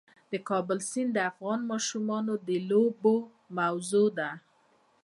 د کابل سیند د افغان ماشومانو د لوبو موضوع ده.